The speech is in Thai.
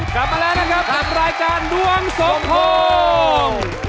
กลับมาแล้วนะครับกับรายการดวงสมพง